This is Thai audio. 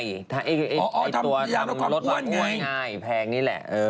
นะตัวทำลดประควดแพงนี่แหละ